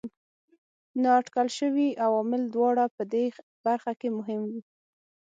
نااټکل شوي عوامل دواړه په دې برخه کې مهم وو.